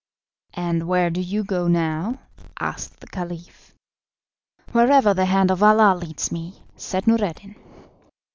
"And where do you go now?" asked the Caliph. "Wherever the hand of Allah leads me," said Noureddin.